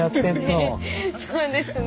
そうですね。